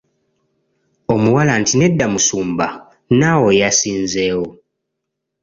Omuwala nti “nedda musumba n'awo yasinzeewo”.